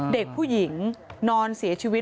เด็กผู้หญิงนอนเสียชีวิต